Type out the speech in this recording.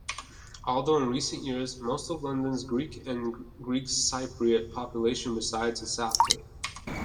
Although in recent years, most of London's Greek and Greek-Cypriot population resides in Southgate.